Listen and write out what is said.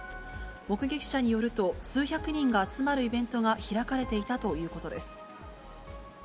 目撃者によると、数百人が集まるイベントが開かれていたということです。